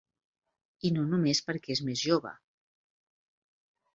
I no només perquè és més jove.